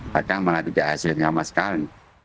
padahal malah tidak hasil hama sekali